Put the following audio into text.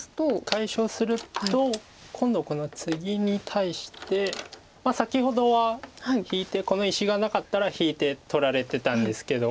解消すると今度このツギに対して。先ほどは引いてこの石がなかったら引いて取られてたんですけど。